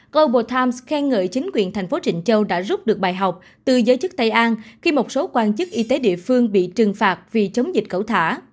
goble times khen ngợi chính quyền thành phố trịnh châu đã rút được bài học từ giới chức tây an khi một số quan chức y tế địa phương bị trừng phạt vì chống dịch cẩu thả